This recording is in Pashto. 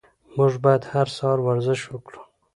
موږ باید هر سهار ورزش وکړو.